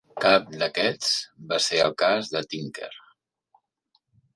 Cap d'aquests va ser el cas de Tinker.